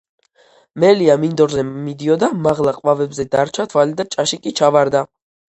მელია მინდორზე მიდიოდა. მაღლა ყვავებზე დარჩა თვალი და ჭაში კი ჩავარდა